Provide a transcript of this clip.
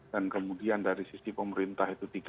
dan kemudian dari sisi pemerintah itu tiga t